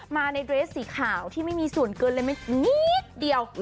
มาในเดรสสีขาวที่ไม่มีส่วนเกินเลยไม่นิดเดียว